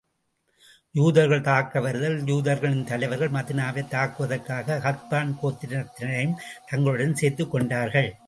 யூதர்கள் தாக்க வருதல் யூதர்களின் தலைவர்கள் மதீனாவைத் தாக்குவதற்காக, கத்பான் கோத்திரத்தினரையும் தங்களுடன் சேர்த்துக் கொண்டார்கள்.